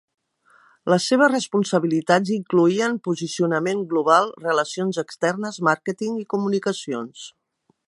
Les seves responsabilitats incloïen posicionament global, relacions externes, màrqueting i comunicacions.